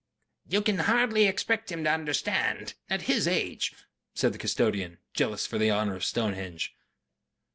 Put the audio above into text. "You can hardly expect him to understand at his age," said the custodian, jealous for the honor of Stonehenge....